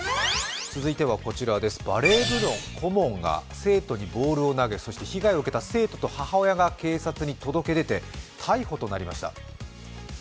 続いてはバレー部の顧問が生徒にボールを投げ被害を受けた生徒と母親が警察に届け出て逮捕となりました。